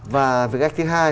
và việc cách thứ hai